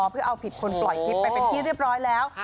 เพื่อเอาผิดคนปล่อยคลิปไปเป็นที่เรียบร้อยแล้ว